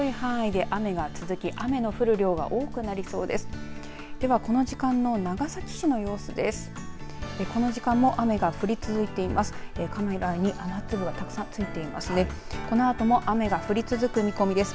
では、この時間の長崎市の様子です。